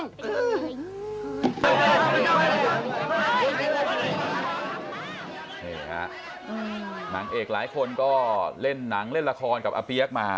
นี่ฮะนางเอกหลายคนก็เล่นหนังเล่นละครกับอาเปี๊ยกมา